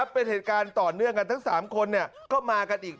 เป็นเหตุการณ์ต่อเนื่องกันทั้ง๓คนก็มากันอีก